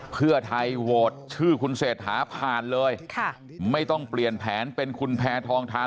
เพื่อไทยโหวตชื่อคุณเศรษฐาผ่านเลยค่ะไม่ต้องเปลี่ยนแผนเป็นคุณแพทองทาน